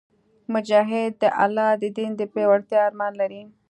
مجاهد د الله د دین د پیاوړتیا ارمان لري.